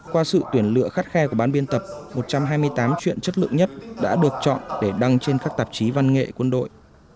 qua sự tuyển lựa khắt khe của bán biên tập một trăm hai mươi tám chuyện chất lượng nhất đã được chọn để đăng trên các tạp chí văn nghệ quân đội